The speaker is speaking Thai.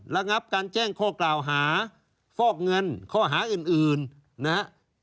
ระงับการแจ้งข้อกล่าวหาฟอกเงินข้อหาอื่นนะฮะ